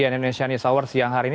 indonesian news hour siang hari ini